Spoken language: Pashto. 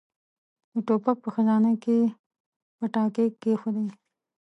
د ټوپک په خزانه کې يې پټاکۍ کېښوده.